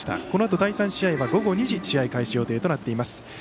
このあと第３試合は午後２時試合開始予定となっています。